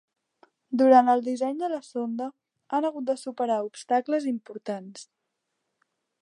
Durant el disseny de la sonda han hagut de superar obstacles importants.